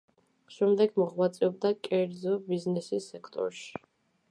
შემდეგ მოღვაწეობდა კერძო ბიზნესის სექტორში.